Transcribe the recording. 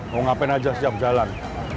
mau ngapain aja setiap jalan